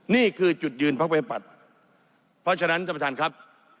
นี่คือจุดยืนภักดิ์ไว้ปัดเพราะฉะนั้นสมทานครับ